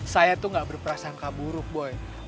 saya tuh gak berprasangka buruk boy